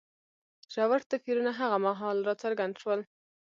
ژور توپیرونه هغه مهال راڅرګند شول.